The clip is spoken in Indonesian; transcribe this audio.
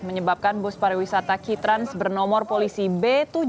menyebabkan bus pariwisata kitrans bernomor polisi b tujuh ratus